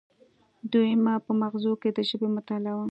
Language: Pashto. دویمه په مغزو کې د ژبې مطالعه وه